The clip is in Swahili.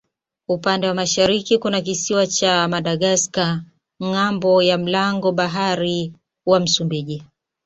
Upande wa mashariki kuna kisiwa cha Madagaska ng'ambo ya mlango bahari wa Msumbiji.